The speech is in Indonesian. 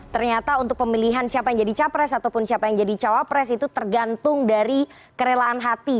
ternyata untuk pemilihan siapa yang jadi capres ataupun siapa yang jadi cawapres itu tergantung dari kerelaan hati